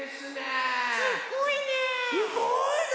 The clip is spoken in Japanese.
すごいね！